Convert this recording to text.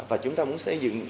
và chúng ta muốn xây dựng